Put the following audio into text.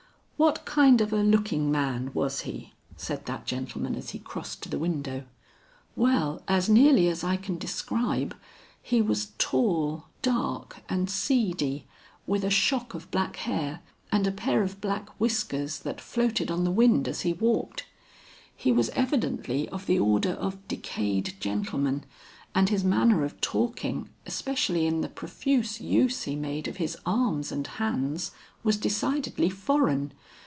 "What kind of a looking man was he?" said that gentleman as he crossed to the window. "Well, as nearly as I can describe, he was tall, dark and seedy, with a shock of black hair and a pair of black whiskers that floated on the wind as he walked. He was evidently of the order of decayed gentleman, and his manner of talking, especially in the profuse use he made of his arms and hands, was decidedly foreign.